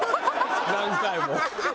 何回も。